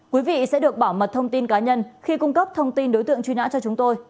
quý vị sẽ được bảo mật thông tin cá nhân khi cung cấp thông tin đối tượng truy nã cho chúng tôi